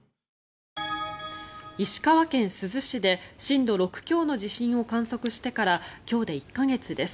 石川県珠洲市で震度６強の地震を観測してから今日で１か月です。